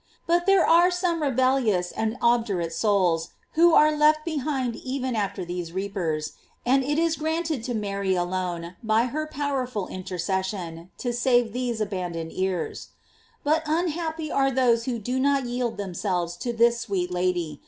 But there are some rebellion* and obdurate souls who are left behind even by these reapers, and it is granted to Mary alone by her powerful intercession to save these abandon ed ears. But unhappy are those who do not yield themselves to this sweet Lady!